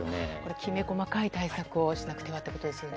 きめ細かい対策をしなくてはということですよね。